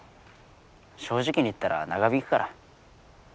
正直に言ったら長引くから。